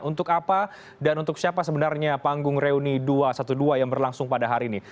untuk apa dan untuk siapa sebenarnya panggung reuni dua ratus dua belas yang berlangsung pada hari ini